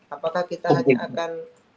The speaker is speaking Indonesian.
apakah kita hanya akan